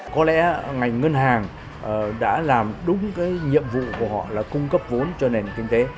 có lẽ ngành ngân hàng đã làm đúng cái nhiệm vụ của họ là cung cấp vốn cho nền kinh tế